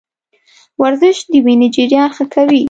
ورزش د وینې جریان ښه کوي.